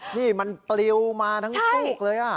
นี่มันปลิวมาทั้งฟูกเลย